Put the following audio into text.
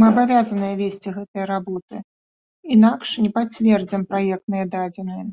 Мы абавязаныя весці гэтыя работы, інакш не пацвердзім праектныя дадзеныя.